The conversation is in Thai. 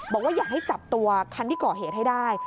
บอกว่าอยากให้จับตัวคันที่ก่อเหตุให้ได้